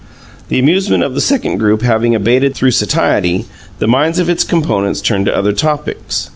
The amusement of the second group having abated through satiety, the minds of its components turned to other topics.